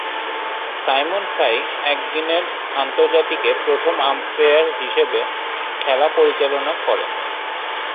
Simon Fry একদিনের আন্তর্জাতিকে প্রথম আম্পায়ার হিসেবে খেলা পরিচালনা করেন।